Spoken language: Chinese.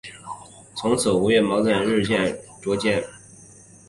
从此吴越矛盾日趋尖锐。